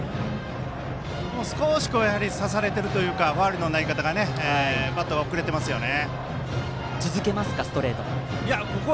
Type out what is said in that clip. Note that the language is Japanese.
少し差されているというかファウルのなり方がバットが遅れていますね。